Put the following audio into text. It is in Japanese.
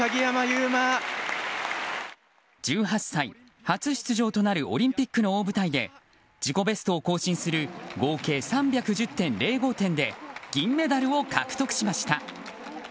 １８歳、初出場となるオリンピックの舞台で自己ベストを更新する合計３１０．０５で銀メダルを獲得しました。